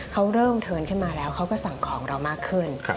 เขาเริ่มเทินขึ้นมาแล้วเขาก็สั่งของเรามากขึ้น